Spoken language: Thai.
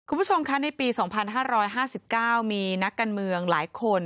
คุณผู้ชมคะในปี๒๕๕๙มีนักการเมืองหลายคน